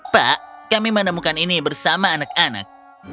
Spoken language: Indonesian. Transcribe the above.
pak kami menemukan ini bersama anak anak